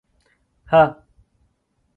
เฮอะ